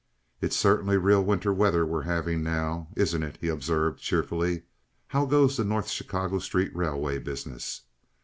"It's certainly real winter weather we're having now, isn't it?" he observed, cheerfully. "How goes the North Chicago Street Railway business?"